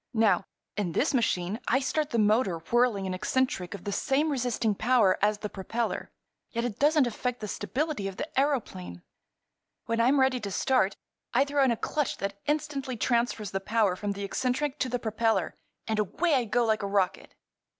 "Now, in this machine I start the motor whirling an eccentric of the same resisting power as the propeller, yet it doesn't affect the stability of the aëroplane. When I'm ready to start I throw in a clutch that instantly transfers the power from the eccentric to the propeller—and away I go like a rocket."